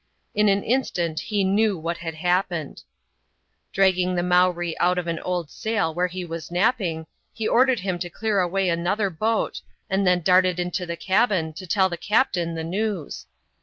In an instant he knew what had happened. Dragging the Mowree out of an old §edl where he was nap* ping, he ordered him to clear away /mother boat, and then darted into the cabin to tell the captain the news.